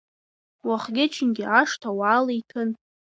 Уахгьы-ҽынгьы ашҭа уаала иҭәын.